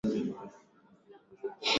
nchini Uganda hadi karne ya kumi na tisa